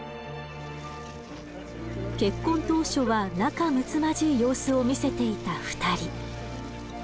結婚当初は仲むつまじい様子を見せていた２人。